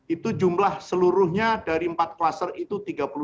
itu jumlah seluruhnya dari empat klaster itu tiga puluh delapan